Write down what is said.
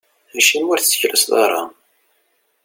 Acimi ur tesseklaseḍ ara?